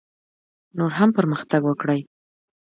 نور هم پرمختګ وکړي.